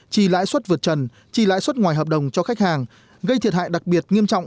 chi lãi suất vượt trần chi lãi suất ngoài hợp đồng cho khách hàng gây thiệt hại đặc biệt nghiêm trọng